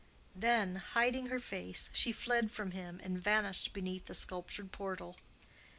Then, hiding her face, she fled from him and vanished beneath the sculptured portal.